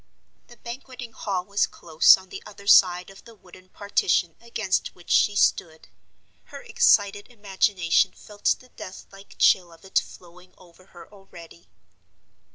The Banqueting Hall was close on the other side of the wooden partition against which she stood; her excited imagination felt the death like chill of it flowing over her already.